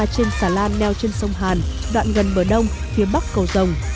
trên xà lan neo trên sông hàn đoạn gần bờ đông phía bắc cầu rồng